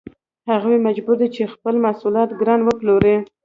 هغه مجبور دی چې خپل محصولات ګران وپلوري